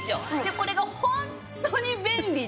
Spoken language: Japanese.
これがホントに便利で。